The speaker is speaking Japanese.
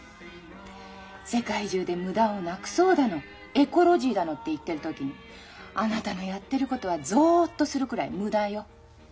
世界中で無駄をなくそうだのエコロジーだのって言ってる時にあなたのやってることはゾッとするくらい無駄よ。